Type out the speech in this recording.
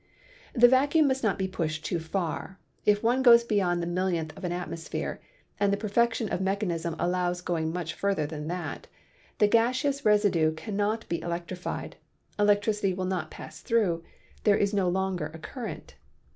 The vacuum must not be pushed too far; if one goes beyond the millionth of an atmosphere — and the perfection of mechanism allows going much further than that — the gaseous residue cannot be electrified; electricity will not A Common Form of X ray Tube. pass through; there is no longer a current.